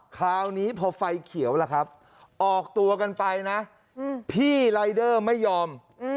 คราวนี้พอไฟเขียวล่ะครับออกตัวกันไปนะพี่รายเดอร์ไม่ยอม